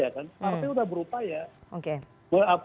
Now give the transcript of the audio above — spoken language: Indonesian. partai sudah berupaya